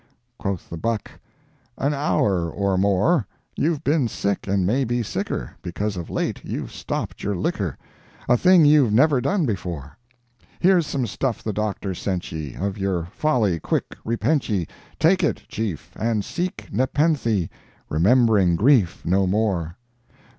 Quoth the buck, "An hour or more. You've been sick and may be sicker, because of late you've stopped your liquor, a thing you've never done before; here's some stuff the doctor sent ye—of your folly quick repent ye—take it, Chief, and seek nepenthe—rememb'ring grief no more."